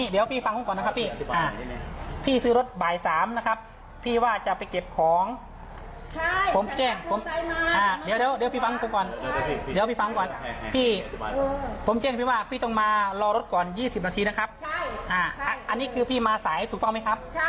เราก็มาสายเวลา๒๐นาทีนะครับอันนี้คือพี่มาสายถูกต้องมิครับ